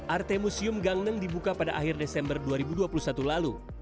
arte museum gangneng dibuka pada akhir desember dua ribu dua puluh satu lalu